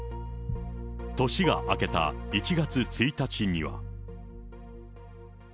年が明けた１月１日には。